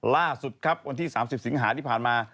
ล่าสุดครับวันที่๓๐สิงหาที่ผ่านมา